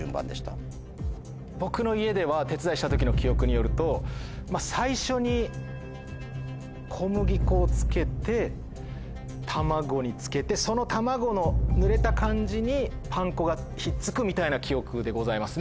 僕の家では手伝いした時の記憶によると最初に小麦粉をつけて卵につけてその卵のぬれた感じにパン粉が引っ付くみたいな記憶でございますね。